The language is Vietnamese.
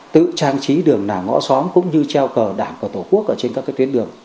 tự trang trí đường nào ngõ xóm cũng như treo cờ đảng của tổ quốc ở trên các cái tuyến đường